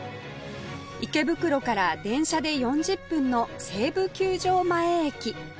池袋から電車で４０分の西武球場前駅